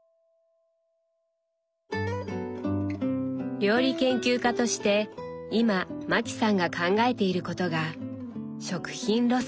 料理研究家として今マキさんが考えていることが「食品ロス」。